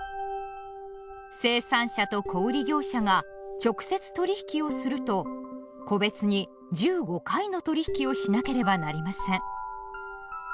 生産者と小売業者が直接取引をすると個別に１５回の取引をしなければなりません。